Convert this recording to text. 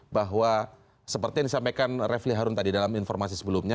bahwa seperti yang disampaikan refli harun tadi dalam informasi sebelumnya